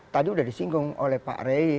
tadi sudah disinggung oleh pak rey